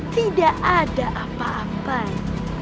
tidak ada apa apanya